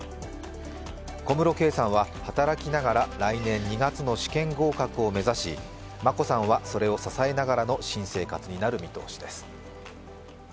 小室圭さんは働きながら来年２月の試験合格を目指し、眞子さんはそれを支えながらの新生活になる見通しです。